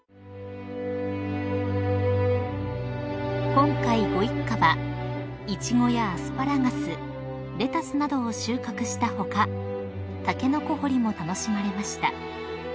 ［今回ご一家はイチゴやアスパラガスレタスなどを収穫した他タケノコ掘りも楽しまれました］